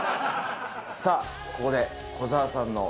さぁここで。